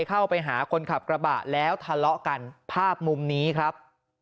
เข้าไปหาคนขับกระบะแล้วทะเลาะกันภาพมุมนี้ครับ